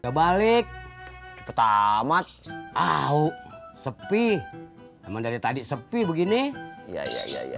udah balik pertama au sepi sama dari tadi sepi begini ya ya ya ya